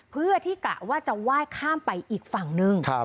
เพื่อที่กะว่าจะไหว้ข้ามไปอีกฝั่งหนึ่ง